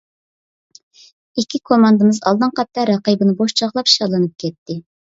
ئىككى كوماندىمىز ئالدىنقى ھەپتە رەقىبىنى بوش چاغلاپ شاللىنىپ كەتتى.